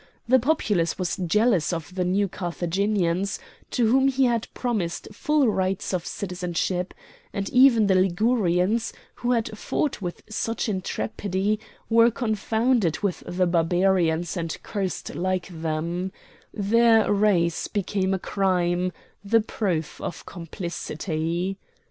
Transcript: The populace was jealous of the New Carthaginians, to whom he had promised full rights of citizenship; and even the Ligurians, who had fought with such intrepidity, were confounded with the Barbarians and cursed like them; their race became a crime, the proof of complicity.